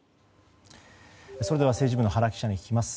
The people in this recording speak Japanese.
それでは政治部の原記者に聞きます。